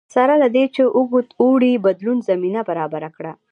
سره له دې چې اوږد اوړي بدلون زمینه برابره کړه